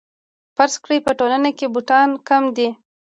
فرض کړئ په ټولنه کې بوټان کم دي